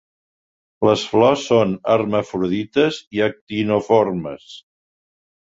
Les flors són hermafrodites i actinomorfes.